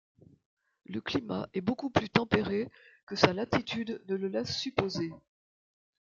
Le climat est beaucoup plus tempéré que sa latitude ne le laisse supposer.